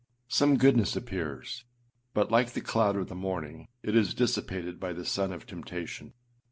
Some goodness appears, but like the cloud of the morning it is dissipated by the sun of temptation.